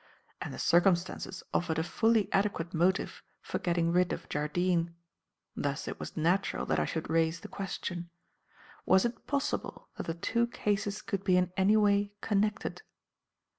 And the circumstances offered a fully adequate motive for getting rid of Jardine. Thus it was natural that I should raise the question. Was it possible that the two cases could be in any way connected?